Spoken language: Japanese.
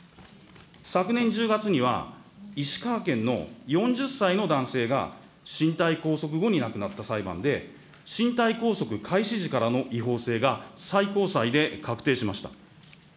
昨年１０月には、石川県の４０歳の男性が、身体拘束後に亡くなった裁判で、身体拘束開始時からの違法性が最高裁で確定しました。